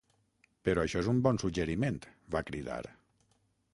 "Però això és un bon suggeriment", va cridar.